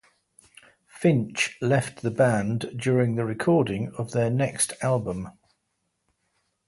Finch left the band during the recording of their next album.